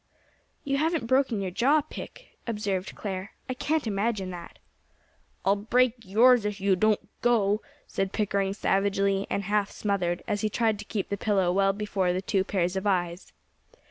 "You haven't broken your jaw, Pick?" observed Clare. "I can't imagine that." "I'll break yours if you don't go," said Pickering savagely, and half smothered, as he tried to keep the pillow well before the two pairs of eyes.